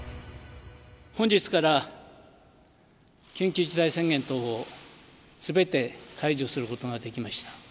本日から緊急事態宣言等をすべて解除することができました。